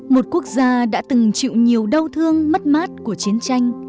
một quốc gia đã từng chịu nhiều đau thương mất mát của chiến tranh